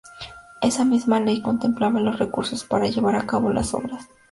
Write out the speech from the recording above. Esa misma ley contemplaba los recursos para llevar a cabo las obras.